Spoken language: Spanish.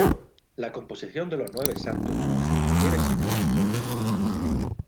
La composición de los "nueve santos" difiere según las fuentes.